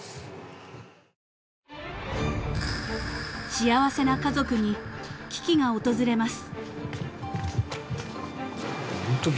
［幸せな家族に危機が訪れます］